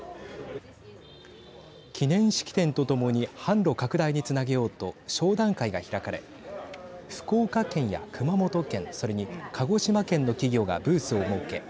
記念式典とともに販路拡大につなげようと商談会が開かれ福岡県や熊本県それに鹿児島県の企業がブースを設け